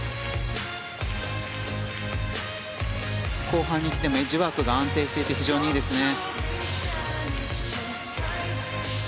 後半に来てもエッジワークが安定していて非常にいいですね。